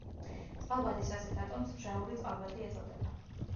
წყალბადის ასეთ ატომს მჟავური წყალბადი ეწოდება.